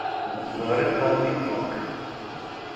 Teɣriḍ-t armi ifukk?